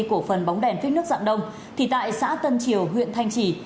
cổ phần bóng đèn phích nước dạng đông thì tại xã tân triều huyện thanh trì